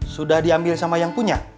sudah diambil sama yang punya